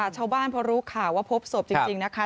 ชาวบ้านพอรู้ข่าวว่าพบศพจริงนะคะ